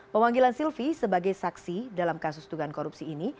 pemanggilan silvi sebagai saksi dalam kasus dugaan korupsi ini